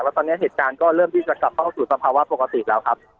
และตอนนี้เหตุการณ์ก็เริ่มที่อยู่ในสภาวะปกติแล้ว